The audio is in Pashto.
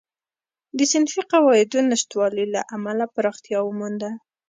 د صنفي قواعدو نشتوالي له امله پراختیا ومونده.